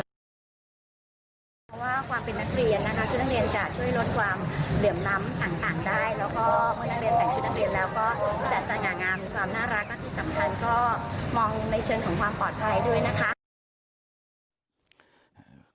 มองในเชิงของความปลอดภัยด้วยนะคะ